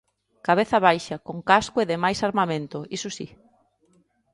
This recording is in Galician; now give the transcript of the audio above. Cabeza baixa, con casco e demais armamento, iso si.